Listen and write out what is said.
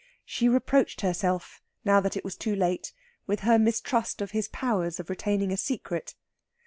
She reproached herself, now that it was too late, with her mistrust of his powers of retaining a secret.